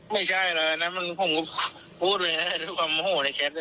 ไม่ใช่เลยนั้นผมก็พูดเลยนะด้วยความโหดในแคลป์ด้วย